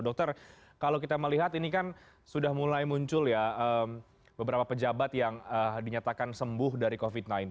dokter kalau kita melihat ini kan sudah mulai muncul ya beberapa pejabat yang dinyatakan sembuh dari covid sembilan belas